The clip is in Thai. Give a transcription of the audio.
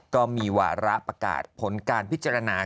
ก็มีวาระประกาศผลการพิจารณา